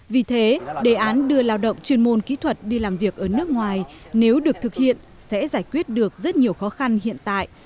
vì thế đề án đưa lao động chuyên môn kỹ thuật đi làm việc ở nước ngoài nếu được thực hiện sẽ giải quyết được rất nhiều khó khăn hiện tại